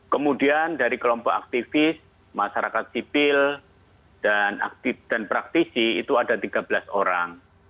kemudian dari kelompok aktivis masyarakat sipil dan praktisi itu ada tiga belas orang